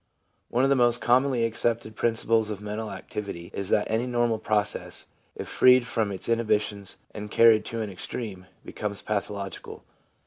One of the most commonly accepted principles of mental activity is that any normal process, if freed from its inhibitions and carried to an extreme, becomes pathological.